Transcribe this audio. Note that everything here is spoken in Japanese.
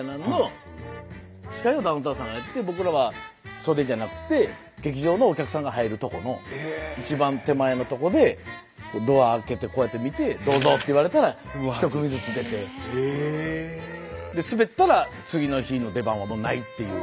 僕らは袖じゃなくて劇場のお客さんが入るとこの一番手前のとこでドア開けてこうやって見て「どうぞ」って言われたら１組ずつ出てでスベったら次の日の出番はもうないっていう。